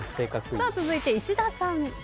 続いて石田さん。